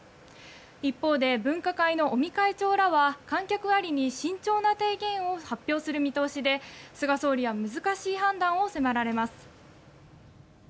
一方で分科会の尾身会長らは観客ありに慎重な提言を発表する見通しで菅総理は難しい判断を迫られます。